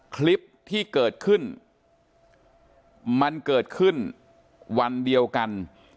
คลิปที่เกิดขึ้นมันเกิดขึ้นวันเดียวกัน